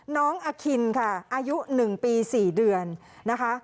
น้องอคินค่ะอายุ๑ปี๔เดือนนะคะ